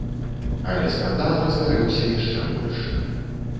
Але скандал разгарэўся яшчэ больш.